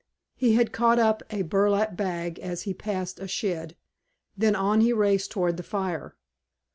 He had caught up a burlap bag as he passed a shed; then, on he raced toward the fire.